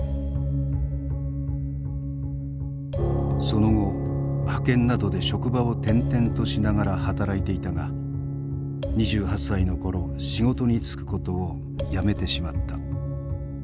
その後派遣などで職場を転々としながら働いていたが２８歳の頃仕事に就くことをやめてしまった。